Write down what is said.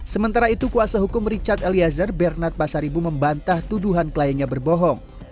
sementara itu kuasa hukum richard eliezer bernard pasaribu membantah tuduhan kliennya berbohong